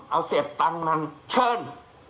เอาเสร็จตังค์นั้นเชิญ